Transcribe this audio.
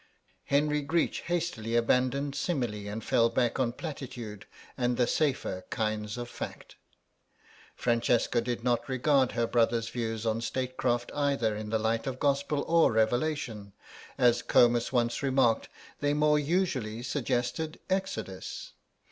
Henry Greech hastily abandoned simile and fell back on platitude and the safer kinds of fact. Francesca did not regard her brother's views on statecraft either in the light of gospel or revelation; as Comus once remarked, they more usually suggested exodus.